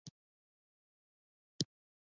تمدن ښاري کیدل او د وسایلو برابرولو ته وایي.